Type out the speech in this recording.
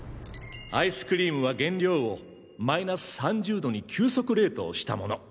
アイスクリームは原料を−３０℃に急速冷凍したもの。